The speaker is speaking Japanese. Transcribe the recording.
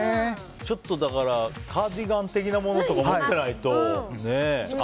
ちょっとカーディガン的なものとか持っていないとね。